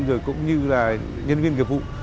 rồi cũng như là nhân viên nghiệp vụ